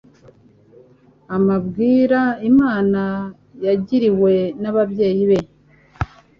amubwira inama yagiriwe n'ababyeyi be